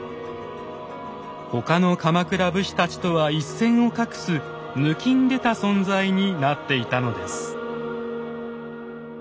他の鎌倉武士たちとは一線を画すぬきんでた存在になっていたのです。